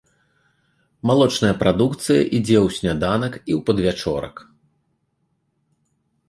Малочная прадукцыя ідзе ў сняданак і ў падвячорак.